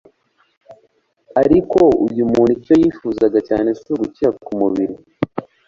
Ariko uyu muntu icyo yifuzaga cyane si ugukira k'umubiri,